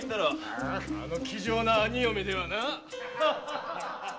あの気丈な兄嫁ではな！